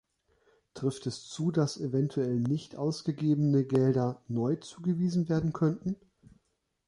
Trifft es zu, dass eventuell nicht ausgegebene Gelder neu zugewiesen werden könnten?